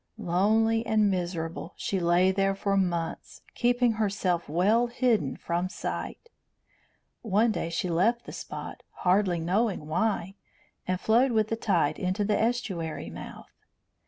Lonely and miserable, she lay there for months, keeping herself well hidden from sight. One day she left the spot, hardly knowing why, and floated with the tide into the estuary mouth.